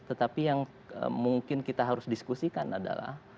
tetapi yang mungkin kita harus diskusikan adalah